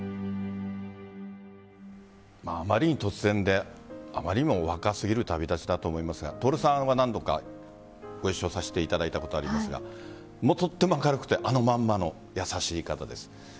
あまりに突然であまりにも若すぎる旅立ちだと思いますが徹さんは何度かご一緒させていただいたことありますがとっても明るくてあのまんまの優しい方です。